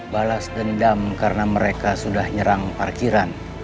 balas dendam karena mereka sudah nyerang parkiran